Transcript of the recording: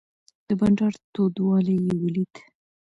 د بانډار تودوالی یې ولید.